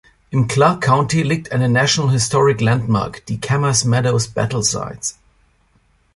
Im Clark County liegt eine National Historic Landmark, die Camas Meadows Battle Sites.